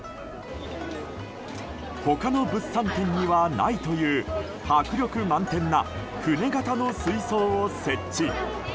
他の物産展にはないという迫力満点な船形の水槽を設置。